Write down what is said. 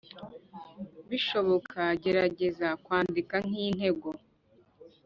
bishoboka Gerageza kwandika nk intego